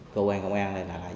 cơ quan công an này là